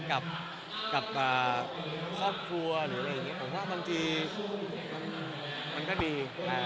กับครอบครัวหรืออะไรอย่างนี้ผมว่าบางทีมันก็ดี